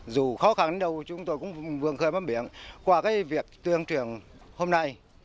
dù khó khăn đến đâu chúng tôi cũng vươn khơi bám biển qua việc tuyên truyền hôm nay